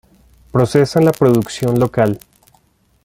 Procesan la producción local.